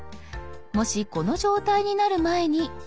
もしこの状態になる前に。